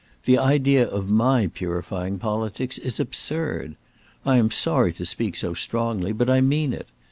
The idea of my purifying politics is absurd. I am sorry to speak so strongly, but I mean it.